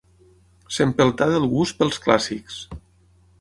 S'empeltà del gust pels clàssics.